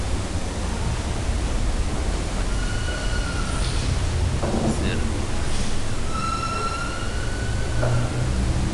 gavana anawajibika katika maamuzi yote ya kisera yanayotolewa na bodi